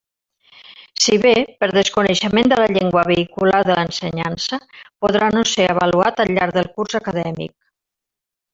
Si bé, per desconeixement de la llengua vehicular de l'ensenyança podrà no ser avaluat al llarg del curs acadèmic.